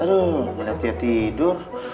aduh banyak dia tidur